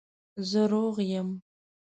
زه روغ یم